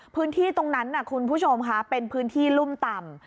พื้นที่ตรงนั้นคุณผู้ชมค่ะเป็นพื้นที่รุ่มต่ำ